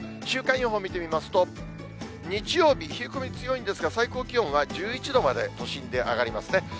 週間予報見てみますと、日曜日、冷え込み強いんですが、最高気温は１１度まで都心で上がりますね。